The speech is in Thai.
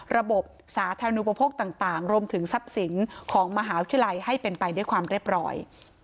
สาธารณูปโภคต่างรวมถึงทรัพย์สินของมหาวิทยาลัยให้เป็นไปด้วยความเรียบร้อย